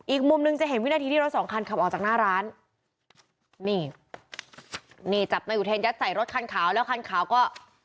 อีกมุมหนึ่งจะเห็นวินาทีที่รถสองคันขับออกจากหน้าร้านนี่นี่จับนายอุเทรนยัดใส่รถคันขาวแล้วคันขาวก็